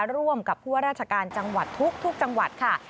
ร่วมกับผู้ว่าราชการจังหวัดทุกจังหวัดค่ะ